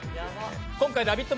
今回「ラヴィット！」